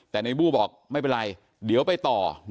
แต่ในบู้บอกไม่เป็นไรเดี๋ยวไปต่อ